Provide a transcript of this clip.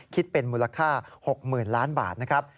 คิดเป็นมูลค่าหกหมื่นล้านบาทนะครับ